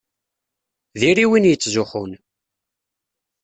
Diri win yettzuxxun.